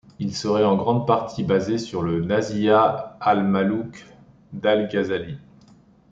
Il serait en grande partie basé sur le Nasîhat al-Mulûk d'Al-Ghazâlî.